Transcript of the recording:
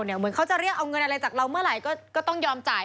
เหมือนเขาจะเรียกเอาเงินอะไรจากเราเมื่อไหร่ก็ต้องยอมจ่าย